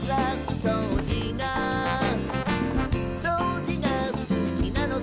「そうじがすきなのさ」